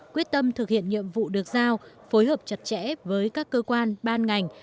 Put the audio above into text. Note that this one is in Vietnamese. quyết tâm thực hiện nhiệm vụ được giao phối hợp chặt chẽ với các cơ quan ban ngành